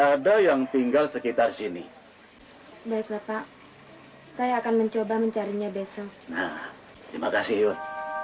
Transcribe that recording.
ada yang tinggal sekitar sini baiklah pak saya akan mencoba mencarinya besok nah terima kasih yun